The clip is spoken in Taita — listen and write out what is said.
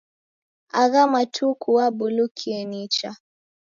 Agha matuku wabulukie nicha.